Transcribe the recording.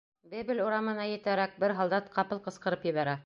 Бебель урамына етәрәк, бер һалдат ҡапыл ҡысҡырып ебәрә: